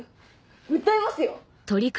訴えますよ？